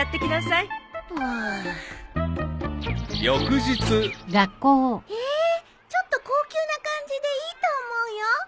［翌日］へえちょっと高級な感じでいいと思うよ。